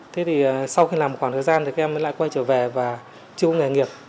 thế thì sau khi làm một khoảng thời gian thì các em lại quay trở về và chưa có nghề nghiệp